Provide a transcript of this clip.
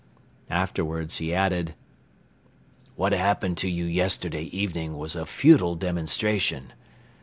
Afterwards he added: "What happened to you yesterday evening was a futile demonstration.